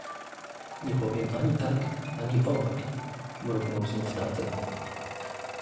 "„Nie powiem ani tak, ani owak,“ mruknął znów tamten."